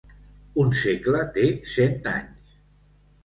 Un segle té cent anys.